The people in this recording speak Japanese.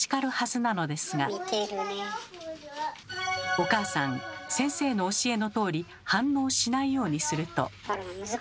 お母さん先生の教えのとおり反応しないようにすると。